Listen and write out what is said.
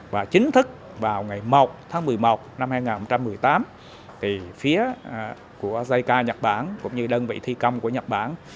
và chính thức vào ngày một tháng một mươi một năm hai nghìn một mươi tám phía của jica nhật bản cũng như đơn vị thi công của nhật bản